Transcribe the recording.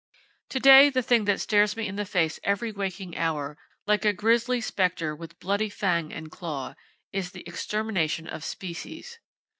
[Page 8] To day, the thing that stares me in the face every waking hour, like a grisly spectre with bloody fang and claw, is the extermination of species.